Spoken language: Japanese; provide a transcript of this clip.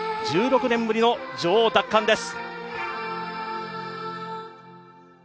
１６年ぶりの女王奪還です！